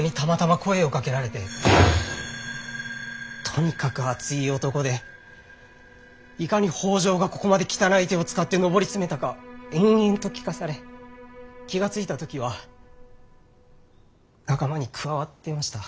とにかく熱い男でいかに北条がここまで汚い手を使って上り詰めたか延々と聞かされ気が付いた時は仲間に加わっていました。